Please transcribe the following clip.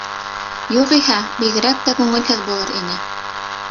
Юғиһә, бигерәк тә күңелһеҙ булыр ине.